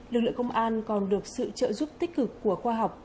lực lượng công an còn được sự trợ giúp tích cực của khoa học